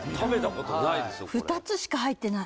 これ「２つしか入ってない」